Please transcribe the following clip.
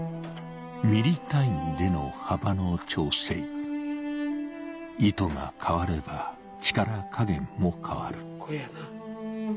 ミリ単位での幅の調整糸が変われば力加減も変わるこうやな。